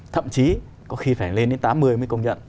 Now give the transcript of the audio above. thậm chí có khi phải lên đến tám mươi mới công nhận